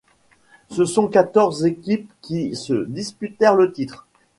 Ce sont quatorze équipes qui se disputèrent le titre.